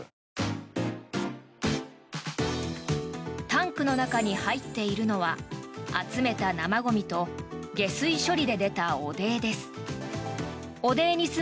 タンクの中に入っているのは集めた生ゴミと下水処理で出た汚泥です。